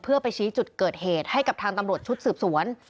เพื่อไปชี้จุดเกิดเหตุให้กับทางตำรวจชุดสืบสวน